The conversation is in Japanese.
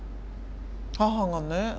母がね